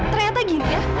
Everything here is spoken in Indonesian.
ternyata gini ya